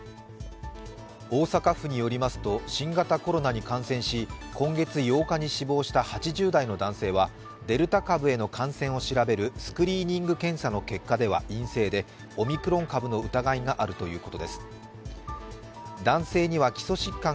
大阪府によりますと新型コロナに感染し今月８日に死亡した８０代の男性はデルタ株への感染を調べるスクリーニング検査結果では陰性でオミクロン株の疑いがあるということです。